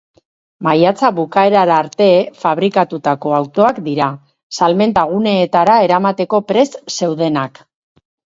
Maiatza bukaerara arte fabrikatutako autoak dira, salmenta-guneetara eramateko prest zeudenak.